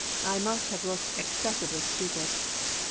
I must have looked excessively stupid.